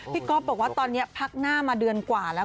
ก๊อฟบอกว่าตอนนี้พักหน้ามาเดือนกว่าแล้ว